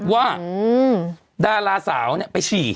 ว่าดาราสาวไปฉีด